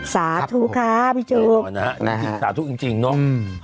สาธุครับพี่จุ๊กเออพอนะฮะสาธุจริงเนอะอืม